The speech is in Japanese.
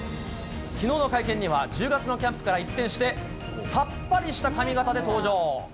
きのうの会見には、１０月のキャンプから一転して、さっぱりした髪形で登場。